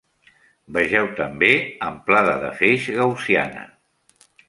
Vegeu també: amplada de feix gaussiana.